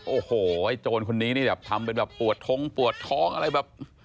โอ้โหไอ้โจรคนนี้นี่แบบทำเป็นแบบปวดท้องปวดท้องอะไรแบบ